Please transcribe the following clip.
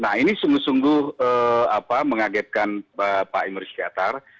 nah ini sungguh sungguh mengagetkan pak emir shah sattar